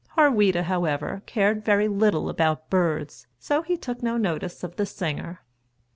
Harweda, however, cared very little about birds, so he took no notice of the singer.